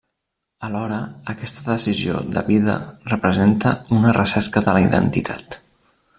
Alhora, aquesta decisió de vida representa una recerca de la identitat.